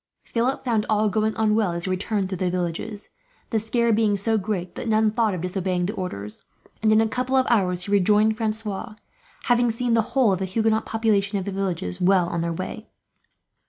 Philip found all going on well, as he returned through the villages, the scare being so great that none thought of disobeying the orders; and in a couple of hours he rejoined Francois, having seen the whole of the Huguenot population of the villages well on their way.